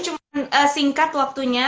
cuma singkat waktunya